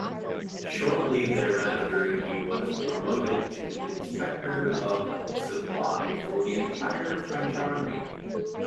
Shortly thereafter he was promoted to Inspector of Supply for the entire French army.